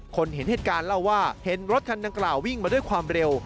เห็นเหตุการณ์เล่าว่าเห็นรถคันดังกล่าววิ่งมาด้วยความเร็ว